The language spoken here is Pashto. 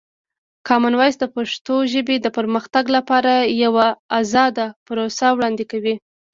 کامن وایس د پښتو ژبې د پرمختګ لپاره یوه ازاده پروسه وړاندې کوي.